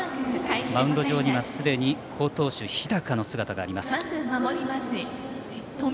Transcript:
マウンド上にはすでに好投手、日高の姿があります。